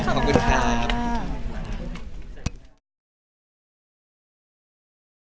ขอบคุณค่ะ